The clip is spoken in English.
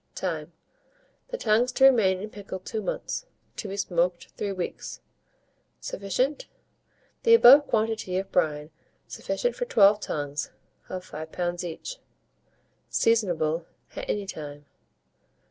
Time. The tongues to remain in pickle 2 months; to be smoked 3 weeks. Sufficient. The above quantity of brine sufficient for 12 tongues, of 5 lbs. each. Seasonable at any time.